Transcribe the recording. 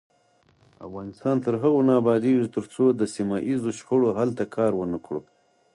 افغانستان تر هغو نه ابادیږي، ترڅو د سیمه ییزو شخړو حل ته کار ونکړو.